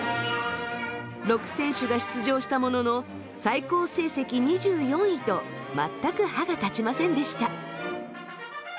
６選手が出場したものの最高成績２４位と全く歯が立ちませんでした。